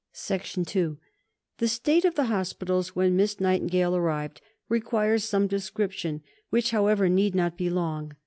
II The state of the hospitals when Miss Nightingale arrived requires some description, which, however, need not be long.